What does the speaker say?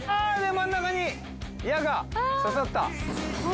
真ん中に矢が刺さった。